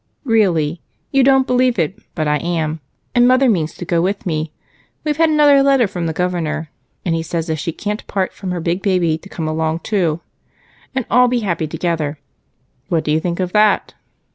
"Really. You don't believe it, but I am, and mother means to go with me. We've had another letter from the governor, and he says if she can't part from her big baby to come along too, and all be happy together. What do you think of that?"